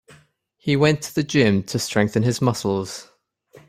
He went to gym to strengthen his muscles.